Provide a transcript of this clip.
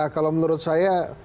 kalau menurut saya